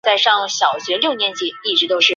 白花胡颓子为胡颓子科胡颓子属下的一个种。